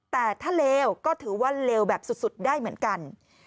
แต่ถ้าเลวก็ถือว่าเลวแบบสุดได้เหมือนกัน